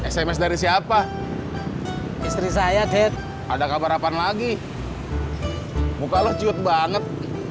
sms dari siapa istri saya dead ada kabar apaan lagi muka lu cute banget